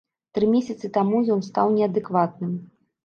Тры месяцы таму ён стаў неадэкватным.